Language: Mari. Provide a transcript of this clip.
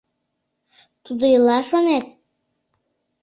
— Тудо ила, шонет?